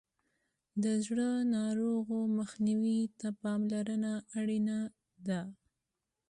د زړه ناروغیو مخنیوي ته پاملرنه اړینه ده.